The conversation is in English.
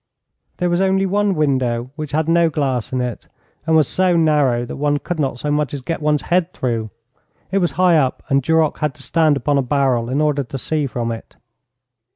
There was only one window, which had no glass in it, and was so narrow that one could not so much as get one's head through. It was high up, and Duroc had to stand upon a barrel in order to see from it.